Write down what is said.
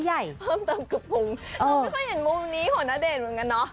เพิ่มเติมคือผมไม่ค่อยเห็นมุมนี้ของณเดชน์เหมือนกันเนอะ